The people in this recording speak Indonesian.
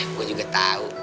eh gua juga tau